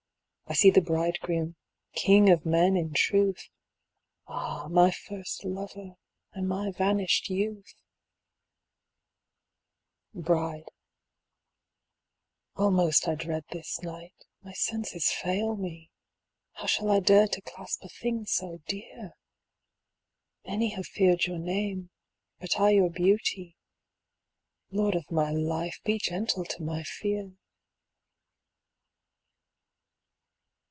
) I see the bridegroom, King of men in truth ! (Ah, my first lover, and my vanished youth !) Bride Almost I dread this night. My senses fail me. How shall I dare to clasp a thing so dear ? Many have feared your name, but I your beauty. Lord of my life, be gentle to my fear